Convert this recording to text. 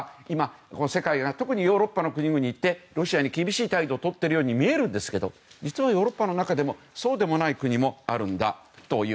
今、世界が特にヨーロッパの国々はロシアに厳しい態度をとっているように見えますが実は、ヨーロッパの中でもそうでもない国があるんだと。